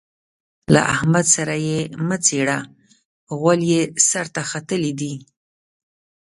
له احمد سره يې مه چېړه؛ غول يې سر ته ختلي دي.